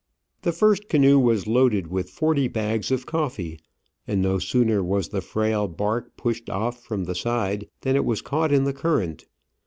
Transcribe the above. The first canoe was loaded with forty bags of coffee, and no sooner was the frail bark pushed off from the side than it was caught in the current.